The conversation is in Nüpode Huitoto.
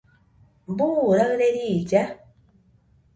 ¿Buu raɨre riilla?